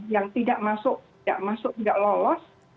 yang tidak masuk tidak masuk tidak lolos